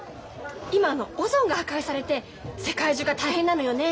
今あのオゾンが破壊されて世界中が大変なのよね。